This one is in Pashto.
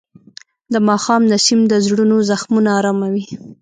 د ماښام نسیم د زړونو زخمونه آراموي.